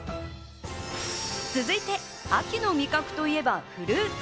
続いて、秋の味覚といえばフルーツ。